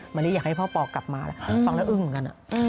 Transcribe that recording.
มะลิอยากให้พ่อปอกลับมาฟังแล้วอึ้งเหมือนกัน